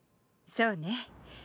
そうね。